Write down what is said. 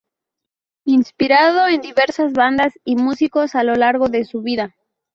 Inspirado en diversas bandas y músicos a lo largo de su vida.